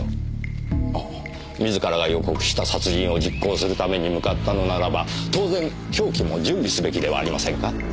自らが予告した殺人を実行するために向かったのならば当然凶器も準備すべきではありませんか？